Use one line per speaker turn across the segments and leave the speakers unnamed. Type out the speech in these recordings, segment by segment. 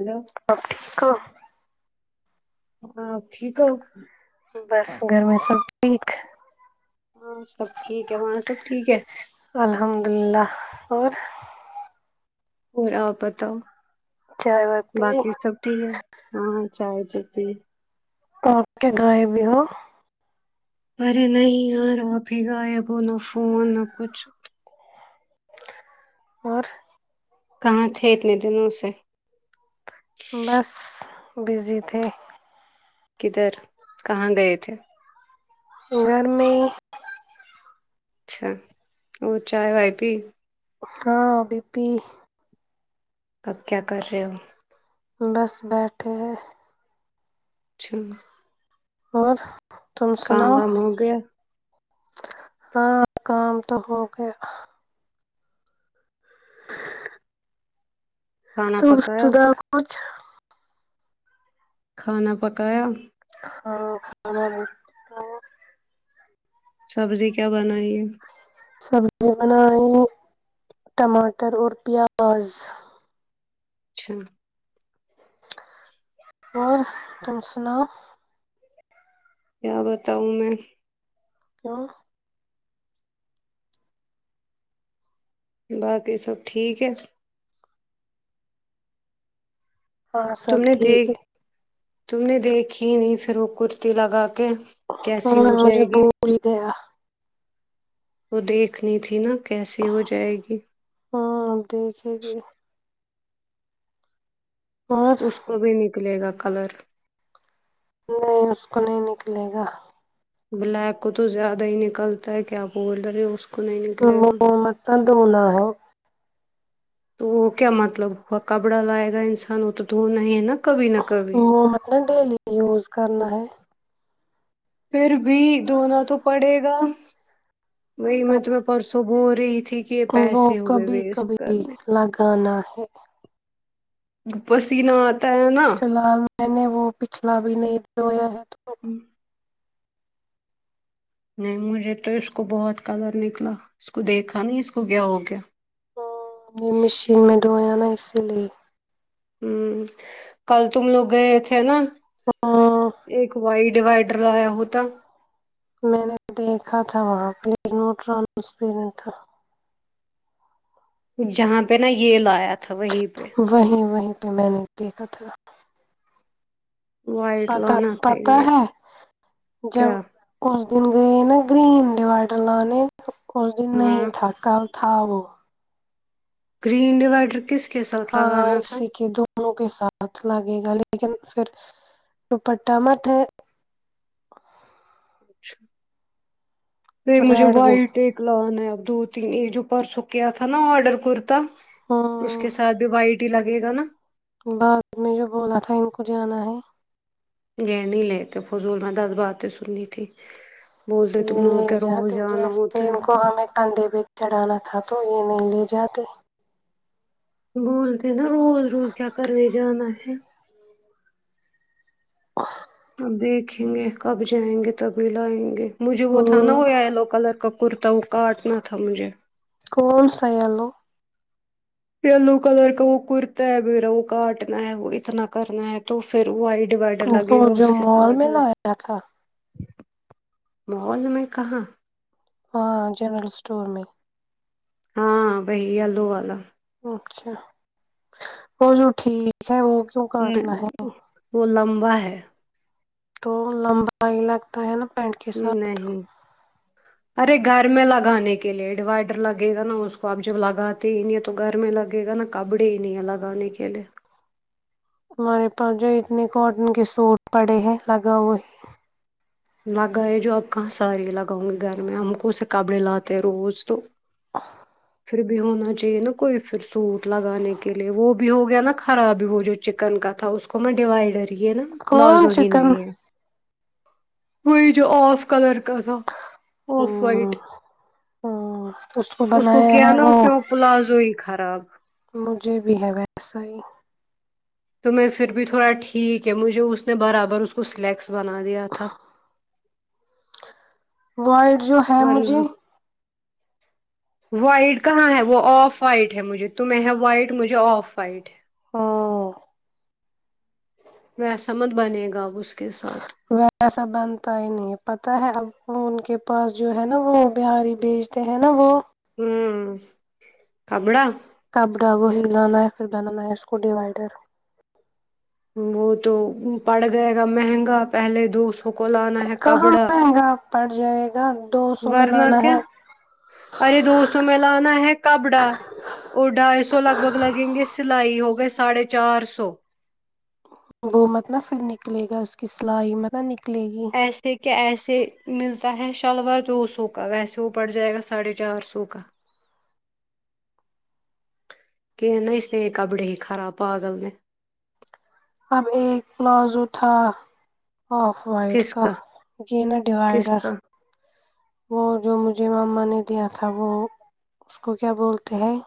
hello
اب ٹھیک [unintelligible]
ہاں ٹھیک ہو [unintelligible]
بس گھرمی سب ٹھیک ہے
ہاں سب ٹھیک ہے وہاں سب ٹھیک ہے
الحمد للہ اور
اور آپ پتاؤ
چائے ببی
ہاں چائے چتی
آپ کے گائے بھی ہو
ارے نہیں یار آپ بھی غائب ہو نہ فون نہ کچھ
اور
کہاں تھے اتنے دنوں سے
بس بزی تھے
کدھر کہاں گئے تھے
گرمی
اچھا اور چائے وائے پی
ہاں بی پی
اب کیا کر رہے ہو
بس بیٹھے
چھا
اور تم
کااں
سناؤ
وم ہو گیا
ہاں کام تو ہو گیا
کھانا
تو
پکایا
سدا کچ
کھانا پکایا
ہاں کھانا
سبزی کیا بنائیے
سبزی بنائ ٹماٹر اور پیاز
چھا [inaudible]
اور تم سنا
کیا بتاؤں میں
کیا
باقی سب ٹھیک ہے
ہاں سب
تم نے
ٹھیک
دیکھ
ہے
تم نے دیکھی نہیں پھر وہ کرتی لگا کیسی
ہاں
ہو
مجھے
جائے گی
بھول ہی گیا
وہ دیکھنی تھی نا کیسی ہو جائے گی
ہاں اب دیکھے گی اور
اس کو بھی نکلے گا کلر
نہیں اس کو نہیں نکلے گا
بلیک کو تو زیادہ ہی نکلتا ہے کیا بر ہے
وہ مت تو ہونا ہو
تو کیا مطلب ہوا کپڑا لائے گا انسان وہ تو تو نہیں نا کبھی نہ کبھی
وہ مط ڈیلی یوز کرنا ہے
پھر بھی دھونا تو پڑے گا وہی میں
تو
تمہیں پرسوں بول [inaudible]
وہ
پیسے ہو گئے
کبھی
ویسٹ
کبھی
کرنے
لگانا ہے
بسییناتھ
فی الحال میں نے وہ پچھلا بھی نہیں تو یہ
ہاں نہیں مجھے تو اس کو بہت کلر نکلا اس کو دیکھا نہیں اس کو گیا ہو گیا
میں مشین میں ڈھویا نا اس [unintelligible]
کل تم لوگ گئے تھے نا
ہاں
ایک وائی ڈیوائڈر لایا ہوتا
میں نے دیکھا تھا وہاں پہوٹران تھا
جہاں پہ نا یہ لایا تھا وہیں پہ
وہیں وہیں میں نے دیکھا تھا
وائٹ
پتا
لانا تھا
پتا
یہ
ہے جب
کیا
اس دن گ نا گری ڈی وائٹر لان اس دن نہیں
ہاں
تھکا تھؤ
گرین ڈوائڈر کس کے ساتھ
ہاں
لگانا تھا
اسی کی انوں کے ساتھ لگے گا لیکن پھر جو پٹا مت ہے
اچھا پ مجھے
ریڈ میں
وائٹ ایک لگانا ہے اب دو دو تین ایجو پرسوں کیا تھا نا آڈر کرورتا
ہ
اس کے ساتھ بھی وائٹ ٹی لگے گا نا
بعد میں جو بولا تھا ان کو جانا ہے
یہ نہیں لی تھ فضول میں دس باتیں سننی تھی بولتے تم لوگوں
لے
کے روز
جاتے
جانا
جیسے
ہوتا ہے
ان کو ہمیں کندھے پ چڑھانا تھا تو یہ نہیں لے جاتے
بولتے نا روز روز کیا کرنے جانا ہے
ا [inaudible]
اب دیکھیں گے کب جائیں گے تبھی لائیں گے مجھے وہ تھا نہ ہویا
ہ
یلو کلر کا کرتا وہ کاٹنا تھا مجھے
فون سہلو [unintelligible]
یلو کلر کا وہ کرتا ہے میرا وہ کاٹنا ہے وہ اتنا کرنا ہے تو پھر وائٹ ڈیوائڈر
تو
لگے گا
جو
اس کے
مال میں لایا تھا
مول میں کہاں
ہاں جنرل اسٹور میں
ہاں بی اللو والا
اچھا وہ جو ٹھیک ہے وہ کیوں
ہ
کاٹنا ہے
وہ لم واہ ہے [inaudible]
تو لمبا ہی لگتا ہے نا فینٹ کے ساتھ
نہیں
[unintelligible]
ارے گھر میں لگانے کے لیے ڈیوائڈر لگے گا نا اس کو آپ جب لگاتے ہی نہیں ہیں تو گھر میں لگے گا نا کپڑے ہی نہیں ہے لگانے کے لیئے
ہمارے پاس جو اتنے کاٹن کے سوٹ پڑے ہیں لگا ہو ہی
لگائے جو آپ کہاں ساریے لگاؤں گی گھر میں ہم کون سے کپڑے لاتے ہیں روز تو
[inaudible]
پھر بھی ہونا چاہیے نا کوئی پھر سوٹ لگانے کے لیے وہ بھی ہو گیا نا خراب وہ جو چکن کا تھا اس کو میں ڈیوائڈر ہے نا پلاز
کون
وہی
چکن
نہیں ہے وہی جو آف کلر کا تھا ف وائٹ
ہمم
اس کو کیا نا اس نے وہ پلازوئی خراب
مجھے بھی ہے ویسا ہی
تو میں پھر بھی تھوڑا ٹھیک ہے مجھے اس نے برابر اس کو سلیکٹ بنا دیا ا تھاا
وائٹ جو ہے مجھے
وائٹ کہاں ہے وہ آف وائٹ ہے مجھے تم ہے وائٹ مجھے آف وائٹ ہے
ہاں [unintelligible]
ویسا مت بنے گا اس کا [unintelligible]
ویسا بنتا ہی نہیں پتا ہے اب ان کے [unintelligible] پاس جو ہے نا وہ بہاری بیچتے ہے نا وہ [unintelligible]
ہوں کبڑا [unintelligible]
کپ ڈا وہ ہلانا یا پھر بنانا ہے اس کو ڈیوائیڈر [unintelligible]
وہ تو پڑ گئے گا مہنگا پہلے دو سو [unintelligible] ہے
کہاں
کپڑا
مہنگا پڑ جائے گا [unintelligible]
ورنہ
لانا
کیا
ہے
ارے دو سو میں لانا ہے کپڑا اور ڈھائی سو لگ بھگ لگیں گے سلائی ہو گئے [unintelligible] ساڑھے چار سو [unintelligible]
وہ مت ن پھر نکلے گا اس کی سلائی متب ن [unintelligible]
ایسے کہ ایسے [unintelligible] سے ملتا ہے شلوار دو سو کا ویسے وہ پڑ جائے گا ساڑھے چار سو کا کہ نہ اس نے کپڑے ہی خراب پاگل میں [unintelligible]
اب ایک پلازو تھا آف وائڈ کا یہ نا
کس
ڈیوائڈر
کا
وہ جو مجھ مج مما نے دیا تھا وہ اس کو کیا بولتے ہیں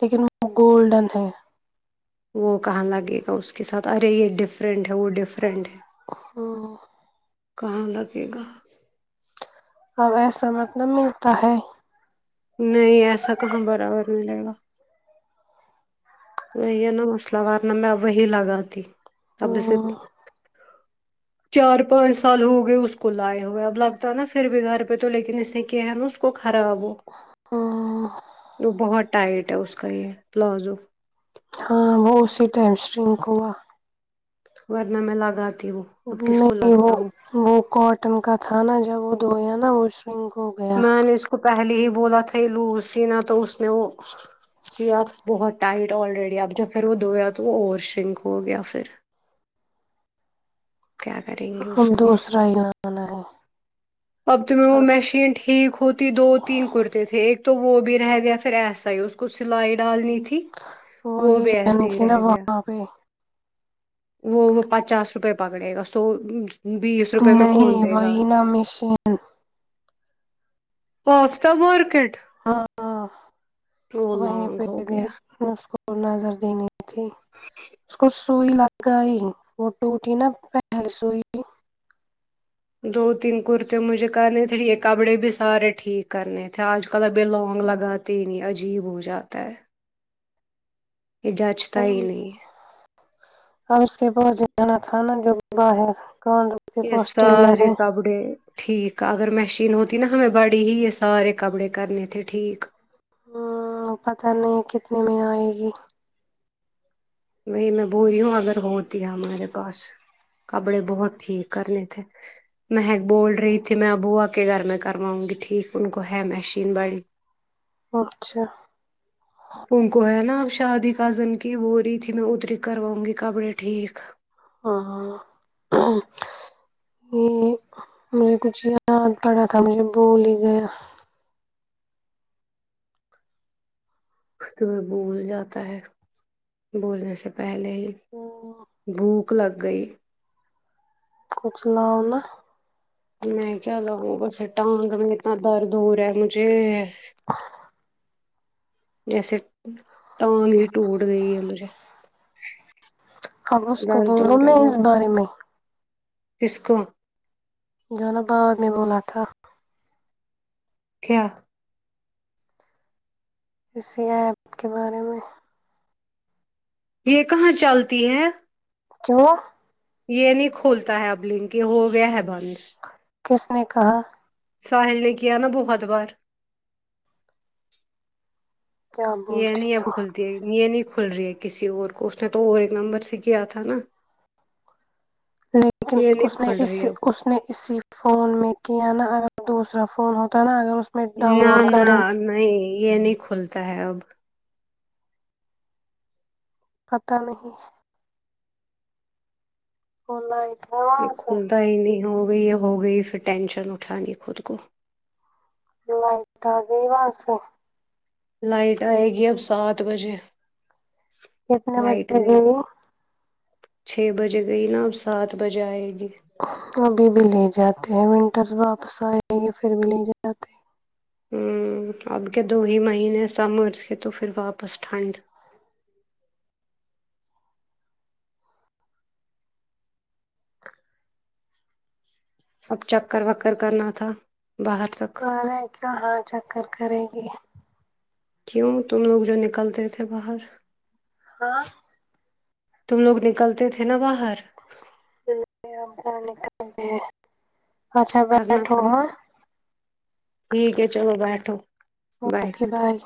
لیکن وہ گولڈن ہے
وہ کہاں لگے گا اس کے ساتھ ارے یہ ڈفرنٹ وہ ڈفرنٹ کہاں لگے گا
اب ایسا متلب ملتا ہے
نہیں ایسا کہاں برابر ملے گا وہی نا مسئلہ ارنہ میں وہی لگا ت سبد س چار پانچ سال ہو گئے اس کو لائے ہوئے اب لگتا ہے نا پھر بھی گھر پہ تو لیکن اس نے کیا ہے نا اس کو خرا آابو وہ بہت ٹائٹ ہے اس کا یہ پلازو
ہاں وہ اسی ٹائم اسٹرن کوا
ورنہ میں لگات کے
نہیں وہ وہ کاٹن کا تھا نا جب وہ دھویا نا وہ شرنک ہو گیا
میں نے اس کو پہلے ہی بولا تھا یہ لوز سینا تو اس نے وہ سیا بہت ٹائٹ آلریڈی اب جب پھر وہ دھویا تو وہ اور شنک ہو گیا پھر کیا کریں گے اس
اب
کو
دوسرا ہی لانا ہے
اب ت میں وہ مشین ٹھیک ہوتی دو تین کرتے تھے ایک تو وہ بھی رہ گیا پھر ایسا ہی اس کو سلائی ڈالنی ت
وہ لے جانی تھی نا
گیا
وہاں پہ
وہ وہ پچاس روپئے پکڑ ک سو بیس روپے میں
نہیں
کون دے گا
وہی نہ مشین
آف دا مارکیٹ
ہاں
وہ
وہیں
لانگ
پہ
ہو
بھی
گیا
ن کو کو نظر دینے تھی اس کو سوئی لگ گئی وہ ٹوٹی نا پہل سوئی
دو تین کرتے مجھے کرنے تھے کپڑے بھی سارے ٹھیک کرنے تھے آج کل ابھی لانگ لگاتے ہی نہیں عجیب ہو جاتا ہے یہ جچتا ہی
ہ
نہیں ہے
اور اس کے ب ج جانا تھا نا جوبا ہے
یہ سارے کپڑے ٹھیک اگر م ش ین ہوتی نا ہمیں بڑی ہی یہ سارے کپڑے کرنے تھے ٹھیک
ہوں پتا نہیں کتنے میں آئے گی
وہی میں بو رہی ہوں اگر ہوتی ہے ہمارے پاس کبڑے بہت ٹھیک کرنے مہک بول رہی تھی میں ابو آ کے گھر میں کرواؤں گی ٹھیک ان کو ہے مشین بڑی
اچھا
ہ کو ہے نا آپ شادی کزن کی بو رہی تھی میں اتری کرواؤں گی کپڑے ٹھیک
ہ یہ مجھے کچھ یاد پڑا تھا مجھے بول ہی گیا
تیں بول جاتا ہے بولنے سے پہلے
تو
حک لگ گئی
ک چلاؤنا
میں کیا لگوں بسے ٹانگ میں اتنا در دور ہے مجھے ویسے ٹانگ ہی ٹوٹ گئی ان م سے
اب اس کو بول رہا میں اس بارے میں
اسسکو
جوانب باواد نے بولا تھا
کیا
اسی ایپ کے بارے میں
یہ کہاں چلتی ہے
جو
یہ نہیں کھولتا ہے اب لنک یہ ہو گیا ہے بند
کس نے کہا
ساحل نے کیا نا بہت بار
کیا
یہ نہیں
بولتی
اب کھلتی ہے یہ نہیں کھل رہی ہے کسی اور کو اس نے تو اور ایک نمبر سے کیا تھا نا
لیکن
یہ نہیں
اس نے
کھل رہی
اسی
اب
اس نے اسی فون میں کہ نا ا دوسرا فون ہوتا ہے نا اگر میں ڈاؤن
نہ
لوڈ
نہ
کریں
نہیں یہ نہیں کھلتی صاحب
پتاہ نہیں فلہ آ
یہ کھلتا ہی نہیں ہو گئی ہے ہو گئی پھر ٹینشن اٹھانی خود کو
لائٹ گی باسے
لائٹ آئے گی اب سات بجے
کتنے مرضے گئی
چھ بجے گئی نا اب سات بجے آئے گی
ابھی بھی لے جات ونٹرس واپس آئے گ پھر بھی لے جاتے
ہ اب کے دو ہی مہینے س مرھ کے تو پھر واپس ٹھنڈ اب چکر وکر کرنا تھا باہر تک
سے کہاں چکر کرے گی
کیوں تم لوگ جو نکلتے تھے باہر
ہاں
تم لوگ نکلتے تھے نا وہاہ
ج ا چلتی ہے اچھا
کرنا
بیٹھو
تھا نا
ہاں
ٹھیک ہے چلو بیٹھو
اوکے بائے